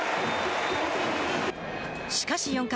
しかし、４回。